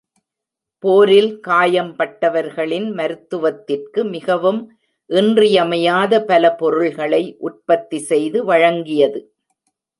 போரில் காயம்பட்டவர்களின் மருத்துவத்திற்கு மிகவும் இன்றியமையாத பல பொருள்களை உற்பத்தி செய்து வழங்கியது.